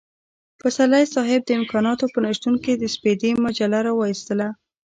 پسرلی صاحب د امکاناتو په نشتون کې د سپېدې مجله را وايستله.